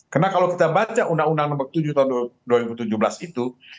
karena kalau kita baca undang undang nomor tujuh tahun dua ribu tujuh belas itu